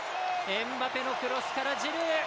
エムバペのクロスからジルー。